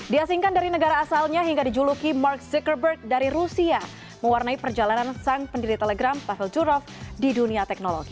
diasingkan dari negara asalnya hingga dijuluki mark zuckerberg dari rusia mewarnai perjalanan sang pendiri telegram pavel durov di dunia teknologi